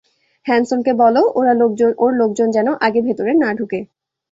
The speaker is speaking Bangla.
হ্যানসনকে বলো ওর লোকজন যেন আগে ভেতরে না ঢুকে।